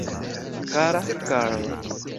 Kara Karl!